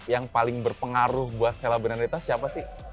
yang paling berpengaruh buat sela branditas siapa sih